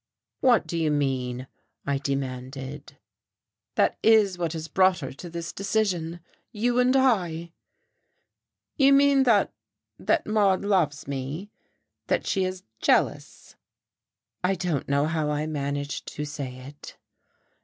"What do you mean?" I demanded. "That is what has brought her to this decision you and I." "You mean that that Maude loves me? That she is jealous?" I don't know how I managed to say it.